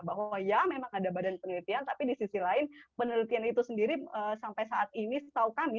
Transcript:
bahwa ya memang ada badan penelitian tapi di sisi lain penelitian itu sendiri sampai saat ini setau kami